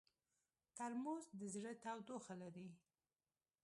ترموز د زړه تودوخه لري.